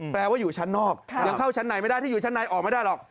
ว่าอยู่ชั้นนอกยังเข้าชั้นในไม่ได้ถ้าอยู่ชั้นในออกไม่ได้หรอก